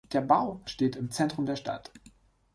Der Bau steht im Zentrum der Stadt.